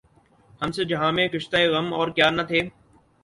ہم سے جہاں میں کشتۂ غم اور کیا نہ تھے